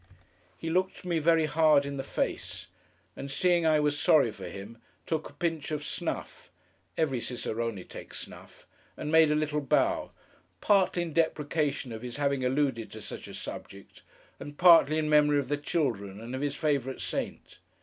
He looked me very hard in the face, and seeing I was sorry for him, took a pinch of snuff (every Cicerone takes snuff), and made a little bow; partly in deprecation of his having alluded to such a subject, and partly in memory of the children and of his favourite saint.